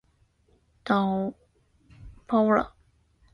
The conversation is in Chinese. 老龙恼怒闹老农，老农恼怒闹老龙。农怒龙恼农更怒，龙恼农怒龙怕农。